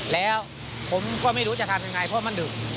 แล้วผมก็ไม่รู้จะทำยังไงเพราะมันดึก